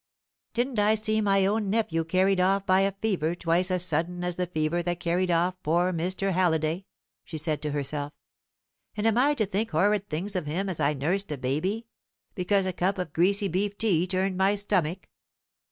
"Didn't I see my own nephew carried off by a fever twice as sudden as the fever that carried off poor Mr. Halliday?" she said to herself; "and am I to think horrid things of him as I nursed a baby, because a cup of greasy beef tea turned my stomach?"